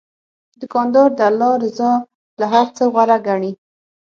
دوکاندار د الله رضا له هر څه غوره ګڼي.